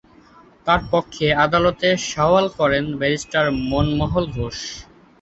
তার পক্ষে আদালতে সওয়াল করেন ব্যারিস্টার মনমোহন ঘোষ।